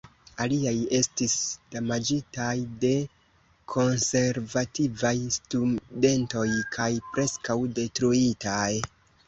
Aliaj estis damaĝitaj de konservativaj studentoj kaj preskaŭ detruitaj.